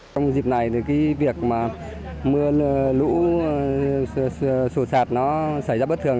trong dịp này việc mưa lũ sổ sạt xảy ra bất thường